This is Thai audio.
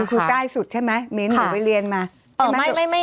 คือใต้สุดใช่ไหมเม้นหนูไปเรียนมา